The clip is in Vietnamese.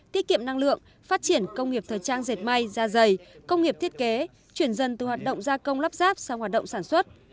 tiết kiệm năng lượng phát triển công nghiệp thời trang dệt may da dày công nghiệp thiết kế chuyển dần từ hoạt động gia công lắp ráp sang hoạt động sản xuất